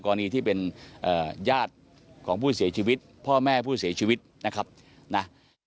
ที่เป็นญาติของผู้เสียชีวิตพ่อแม่ผู้เสียชีวิตนะครับนะ